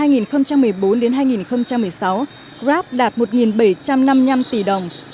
năm hai nghìn một mươi bốn hai nghìn một mươi sáu grab đạt một bảy trăm năm mươi năm tỷ đồng